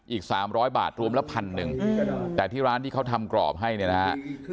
อีก๓๐๐บาทรวมละพันหนึ่งแต่ที่ร้านที่เขาทำกรอบให้เนี่ยนะฮะ